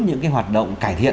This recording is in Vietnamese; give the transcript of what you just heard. những hoạt động cải thiện